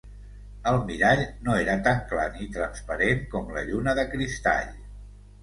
El mirall no era tan clar ni transparent com la lluna de cristall